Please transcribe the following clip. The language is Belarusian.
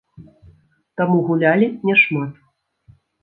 Таму гулялі не шмат.